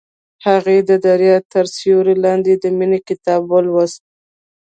هغې د دریا تر سیوري لاندې د مینې کتاب ولوست.